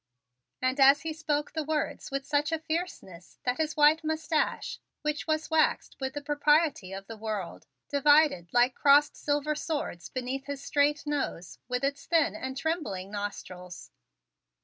And he spoke the words with such a fierceness that his white mustache, which was waxed with the propriety of the world, divided like crossed silver swords beneath his straight nose with its thin and trembling nostrils.